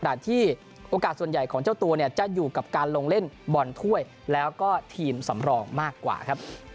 ที่โอกาสส่วนใหญ่ของเจ้าตัวเนี่ยจะอยู่กับการลงเล่นบอลถ้วยแล้วก็ทีมสำรองมากกว่าครับ